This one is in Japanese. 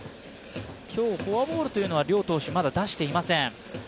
今日、フォアボールは両投手まだ出していません。